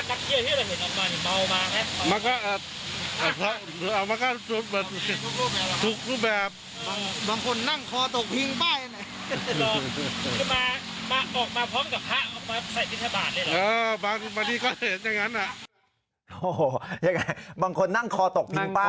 โอ้โฮเหรอไงบางคนนั่งคอตกพิงไป